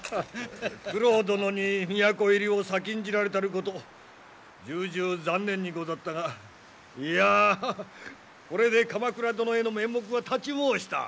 九郎殿に都入りを先んじられたること重々残念にござったがいやこれで鎌倉殿への面目が立ち申した。